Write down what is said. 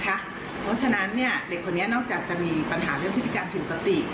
เพราะฉะนั้นเด็กคนนี้นอกจากจะมีปัญหาเรื่องพฤติกรรมผิดปกติ